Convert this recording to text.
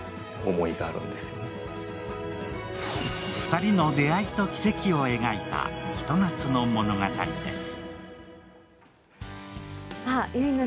２人の出会いと奇跡を描いたひと夏の物語です。